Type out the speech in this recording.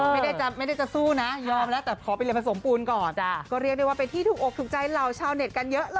ไม่ได้จะสู้นะยอมแล้วแต่ขอไปเรียนผสมปูนก่อน